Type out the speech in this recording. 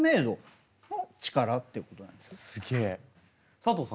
佐藤さん